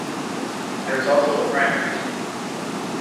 There is also a primary school.